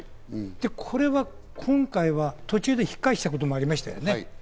で、これは今回は途中で引き返したこともありましたね。